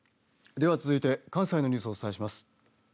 では、続いて関西のニュースをお伝えします。